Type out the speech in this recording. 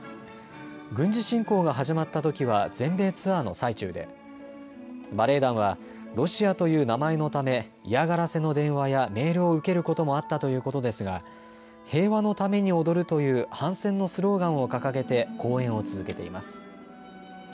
軍事侵攻が始まったときは全米ツアーの最中でバレエ団はロシアという名前のため嫌がらせの電話やメールを受けることもあったということですが平和のために踊るという反戦のスローガンを掲げて公演を続けています。